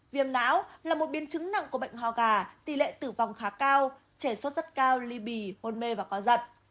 viêm phổi nặng là một biên chứng nặng của bệnh hoa gà tỷ lệ tử vong khá cao trẻ suất rất cao ly bì hôn mê và có giật